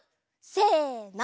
せの。